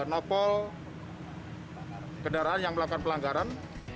nopol kendaraan yang melakukan pelanggaran